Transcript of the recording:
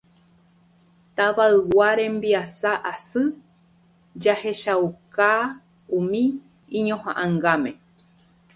Tetãygua rembiasa asy jahechakuaa umi iñohaʼãngáme.